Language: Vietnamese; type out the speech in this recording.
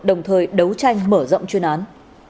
đồng thời đấu tranh mở rộng chuyên án